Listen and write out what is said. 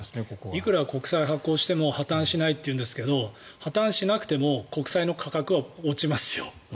いくら国債を発行しても破たんしないというんですけど破たんしなくても国債の価格は落ちますよ。